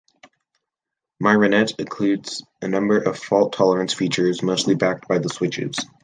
Myrinet includes a number of fault-tolerance features, mostly backed by the switches.